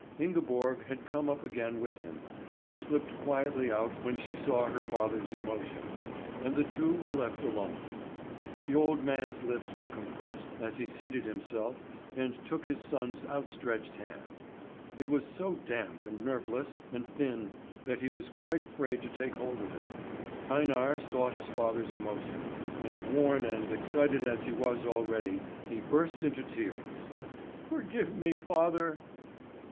Ingeborg had come up again with him, but slipped quietly out when she saw her father's emotion; and the two were left alone. The old man's lips were compressed as he seated himself and took his son's outstretched hand. It was so damp and nerveless and thin that he was quite afraid to take hold of it. Einar saw his father's emotion, and worn and excited as he was already, he burst into tears. "Forgive me, father!"